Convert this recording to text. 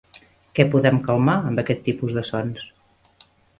Què podem calmar amb aquest tipus de sons?